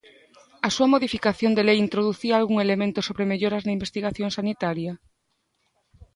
¿A súa modificación de lei introducía algún elemento sobre melloras na investigación sanitaria?